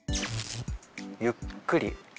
ゆっくり。